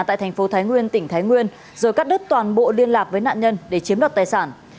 tại thành phố thái nguyên tỉnh thái nguyên rồi cắt đứt toàn bộ liên lạc với nạn nhân để chiếm đoạt tài sản